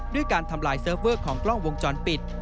ด้วยการทำลายเซิร์ฟเวอร์ของกล้องวงจรปิด